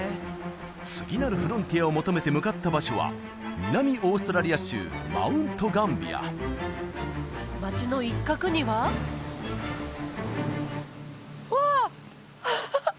次なるフロンティアを求めて向かった場所は南オーストラリア州マウントガンビア町の一角にはわあ！